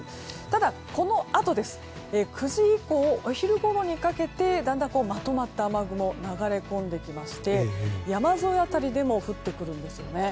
ただ、このあとお昼ごろにかけてだんだんまとまった雨雲が流れ込んできまして山沿い辺りでも降ってくるんですよね。